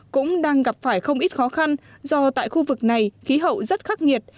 cũng đang gặp phải không ít khó khăn do tại khu vực này khí hậu rất khắc nghiệt